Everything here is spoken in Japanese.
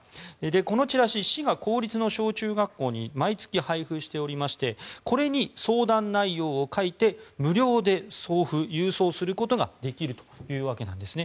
このチラシ市が公立の小中学校に毎月配布しておりましてこれに相談内容を書いて無料で送付、郵送することができるということなんです。